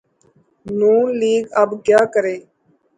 ن لیگ اب کیا کرے؟